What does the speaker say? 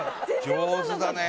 上手だね！